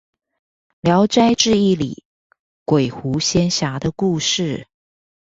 聊齋誌異裏鬼狐仙俠的故事